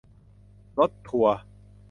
รถทัวร์